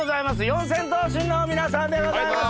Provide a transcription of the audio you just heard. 四千頭身の皆さんでございます。